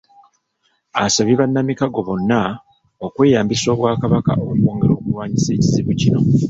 Asabye bannamikago bano okweyambisa Obwakabaka okwongera okulwanyisa ekizibu kino.